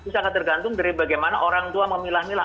sangat tergantung dari bagaimana orang tua memilah milah